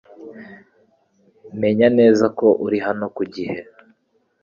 Menya neza ko uri hano ku gihe .